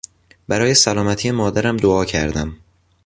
برای سلامتی مادرم دعا کردم.